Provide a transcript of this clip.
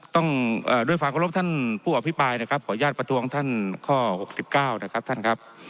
ต้องด้วยความขอรบท่านผู้อภิปรายนะครับขออนุญาตประท้วงท่านข้อ๖๙นะครับท่านครับ